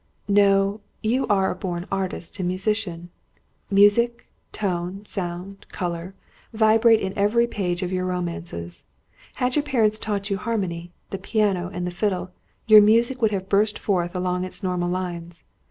"No; you are a born artist and musician. Music, tone, sound, colour, vibrate in every page of your romances. Had your parents taught you harmony, the piano, and the fiddle, your music would have burst forth along its normal lines.